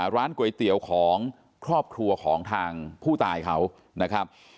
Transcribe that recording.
ร้านก๋วยเตี๋ยวของครอบครัวของทางผู้ตายเขานะครับ